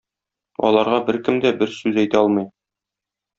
Аларга беркем дә бер сүз әйтә алмый.